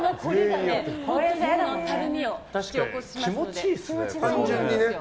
たるみを引き起こしますので。